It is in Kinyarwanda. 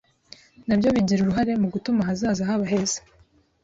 nabyo bigira uruhare mu gutuma ahazaza haba heza